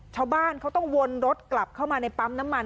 ชาวบ้านเขาต้องวนรถกลับเข้ามาในปั๊มน้ำมัน